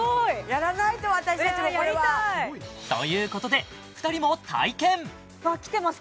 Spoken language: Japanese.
やらないと私たちもこれはということで２人もわきてます